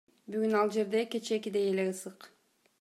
Бүгүн ал жерде кечээкидей эле ысык.